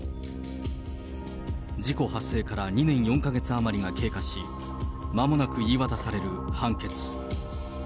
事故発生から２年４か月余りが経過し、まもなく言い渡される判決。